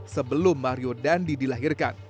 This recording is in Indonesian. sebelum mario dandi dilahirkan